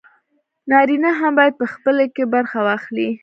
نارينه هم بايد په پخلي کښې برخه واخلي